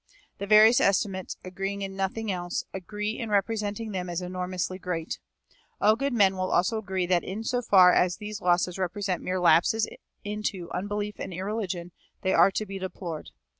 The various estimates, agreeing in nothing else, agree in representing them as enormously great.[321:2] All good men will also agree that in so far as these losses represent mere lapses into unbelief and irreligion they are to be deplored.